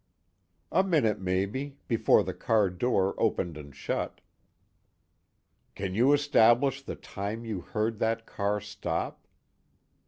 "A minute, maybe, before the car door opened and shut." "Can you establish the time you heard that car stop?"